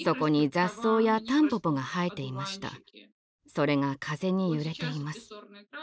それが風に揺れています。